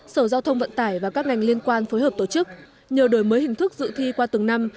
sở giao thông vận tải và các ngành liên quan phối hợp tổ chức nhờ đổi mới hình thức dự thi qua từng năm